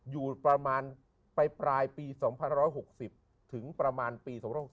อยู่ประมาณไปปลายปี๒๑๖๐ถึงประมาณปี๒๔